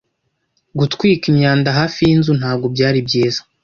Gutwika imyanda hafi yinzu ntabwo byari byiza.